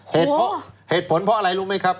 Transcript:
เหตุผลเพราะอะไรรู้ไหมครับ